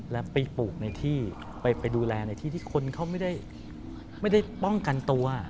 แล้วไปปลูกในที่ไปดูแลในที่ที่คนเขาไม่ได้ป้องกันตัว